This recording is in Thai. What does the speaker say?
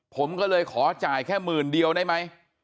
ผมก็เลยขอจ่ายแค่หมื่นเดียวได้ไหม